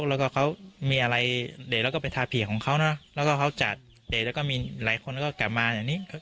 แล้วก็เขามีอะไรเด็กแล้วก็เป็นทาผีของเขานะแล้วก็เขาจัดเด็กแล้วก็มีหลายคนก็กลับมาอย่างนี้